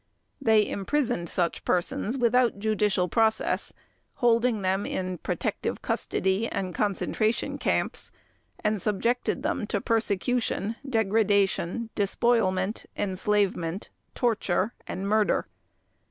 They imprisoned such persons without judicial process, holding them in "protective custody" and concentration camps, and subjected them to persecution, degradation, despoilment, enslavement, torture, and murder.